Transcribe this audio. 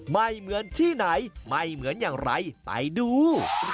ไม่เหมือนที่ไหนไม่เหมือนอย่างไรไปดู